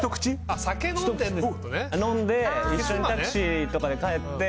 飲んで一緒にタクシーとかで帰って。